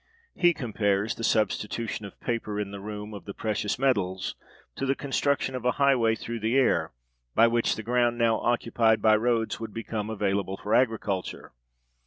He compares the substitution of paper in the room of the precious metals to the construction of a highway through the air, by which the ground now occupied by roads would become available for agriculture.